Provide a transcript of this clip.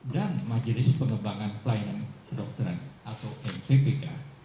dan majelis pengembangan pelayanan kedokteran atau mppk